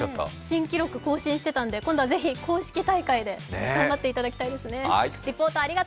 新記録更新してたんで今度はぜひ公式大会で頑張っていただきたいですね。